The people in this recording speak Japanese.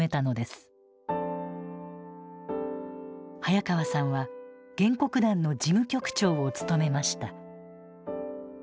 早川さんは原告団の事務局長を務めました。